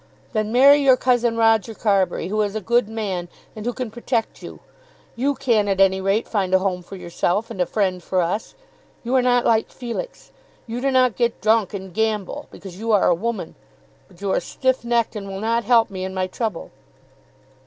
"Then marry your cousin, Roger Carbury, who is a good man, and who can protect you. You can, at any rate, find a home for yourself, and a friend for us. You are not like Felix. You do not get drunk and gamble, because you are a woman. But you are stiff necked, and will not help me in my trouble."